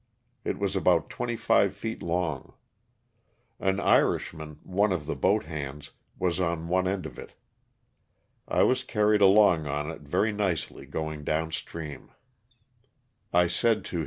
It was about twenty five feet long. An Irishman, one of the boat hands, was on one end of it. I was carried along on it very njcely going down stream I said to 160 LOSS OF THE SULTANA.